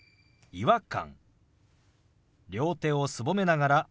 「違和感」。